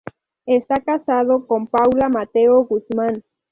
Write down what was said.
Está casado con Paula Matteo Guzmán.